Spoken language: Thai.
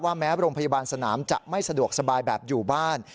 แม้โรงพยาบาลสนามจะไม่สะดวกสบายแบบอยู่บ้าน